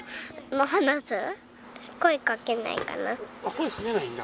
声かけないんだ。